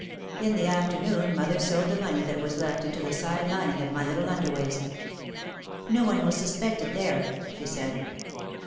In the afternoon mother sewed the money that was left into the side lining of my little underwaist. "No one will suspect it there," she said.